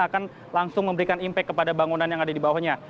akan langsung memberikan impact kepada bangunan yang ada di bawahnya